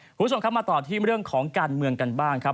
คุณผู้ชมครับมาต่อที่เรื่องของการเมืองกันบ้างครับ